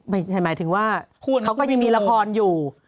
หมายถึงว่าเขาก็ยังมีละครอยู่